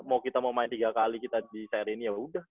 mau kita mau main tiga kali kita di seri ini ya udah